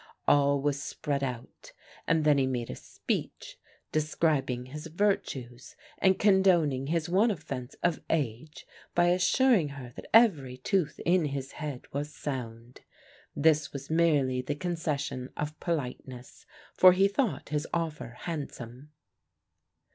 All was spread out, and then he made a speech, describing his virtues, and condoning his one oiifence of age by assuring her that every tooth in his head was sound. This was merely the concession of politeness, for he thought his ofifer handsome.